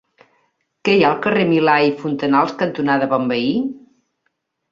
Què hi ha al carrer Milà i Fontanals cantonada Bonveí?